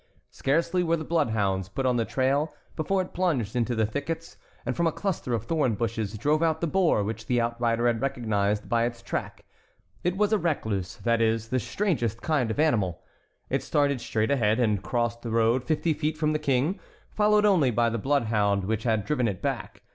Scarcely were the bloodhounds put on the trail before it plunged into the thickets, and from a cluster of thorn bushes drove out the boar which the outrider had recognized by its track. It was a recluse; that is, the strangest kind of animal. It started straight ahead and crossed the road fifty feet from the King, followed only by the bloodhound which had driven it back.